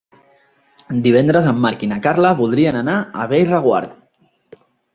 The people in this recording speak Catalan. Divendres en Marc i na Carla voldrien anar a Bellreguard.